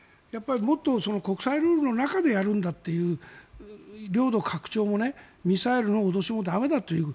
もっと国際ルールの中でやるんだという領土拡張もミサイルの脅しも駄目だという